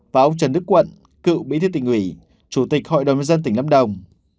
và ông trần đức quận cựu bí thư tỉnh ủy chủ tịch hội đồng nhân dân tỉnh lâm đồng